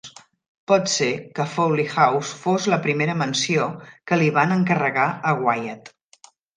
Pot ser que Fawley House fos la primera mansió que li van encarregar a Wyatt.